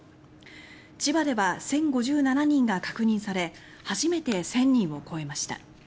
千葉では１０５７人が確認され初めて１０００人を超えました。